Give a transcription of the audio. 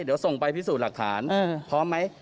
เดี๋ยวส่งไปพิสูจน์หลักฐานพร้อมไหม